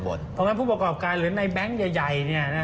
เพราะฉะนั้นผู้ประกอบการหรือในแบงค์ใหญ่